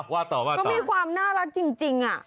ว่าต่อเขามีความน่ารักจริง